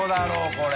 これ。